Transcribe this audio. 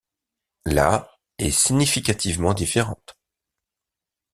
La est significativement différente.